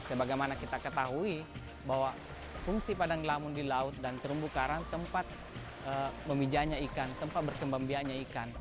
sebagaimana kita ketahui bahwa fungsi padang lamun di laut dan terumbu karang tempat memijanya ikan tempat berkembang biaknya ikan